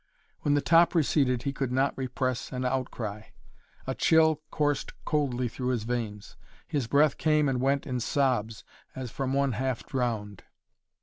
When the top receded he could not repress an outcry. A chill coursed coldly through his veins. His breath came and went in sobs, as from one half drowned.